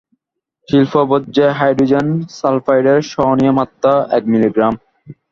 শিল্পবর্জ্যে hydrogen সালফায়েডের সহনীয় মাত্রা এক মিলিগ্রাম।